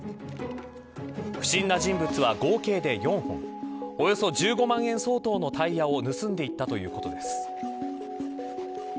不審な人物は、合計で４本およそ１５万円相当のタイヤを盗んでいったということです。